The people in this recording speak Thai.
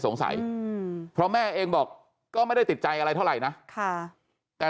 เพราะแม่เองบอกก็ไม่ได้ติดใจอะไรเท่าไหร่นะค่ะแต่